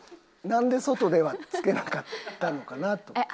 なんで外ではつけなかったのかなと。